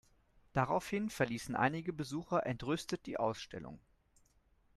Daraufhin verließen einige Besucher entrüstet die Ausstellung.